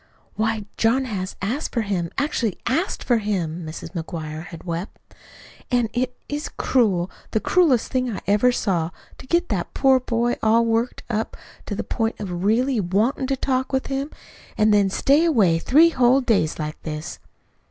"Why, John has asked for him, actually ASKED for him," Mrs. McGuire had wept. "An' it is cruel, the cruelest thing I ever saw, to get that poor boy all worked up to the point of really WANTIN' to talk with him, an' then stay away three whole days like this!"